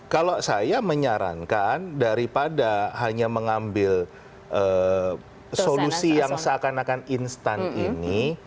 kalau saya menyarankan daripada hanya mengambil solusi yang seakan akan instan ini